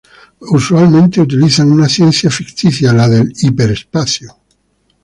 Usualmente utilizan una ciencia ficticia, la del hiperespacio.